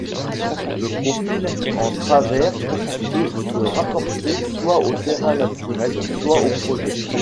Le profil en travers peut se rapporter soit au terrain naturel, soit au projet.